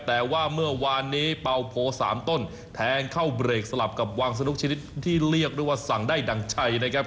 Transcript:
แต่ว่าเมื่อวานนี้เป่าโพ๓ต้นแทงเข้าเบรกสลับกับวางสนุกชนิดที่เรียกได้ว่าสั่งได้ดั่งใจนะครับ